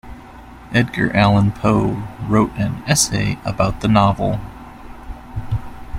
Edgar Allan Poe wrote an essay about the novel.